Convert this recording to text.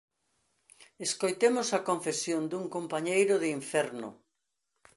Escoitemos a confesión dun compañeiro de inferno: